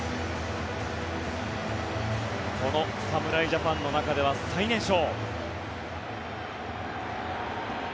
この侍ジャパンの中では最年少。